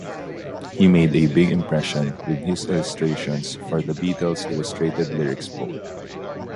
He made a big impression with his illustrations for The Beatles Illustrated Lyrics book.